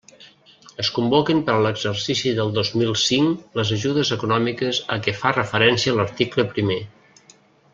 Es convoquen per a l'exercici del dos mil cinc les ajudes econòmiques a què fa referència l'article primer.